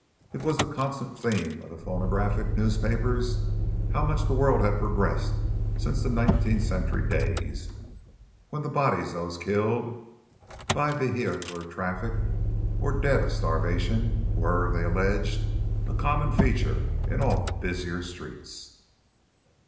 It was the constant theme of the phonographic newspapers how much the world had progressed since nineteenth century days, when the bodies of those killed by the vehicular traffic or dead of starvation, were, they alleged, a common feature in all the busier streets.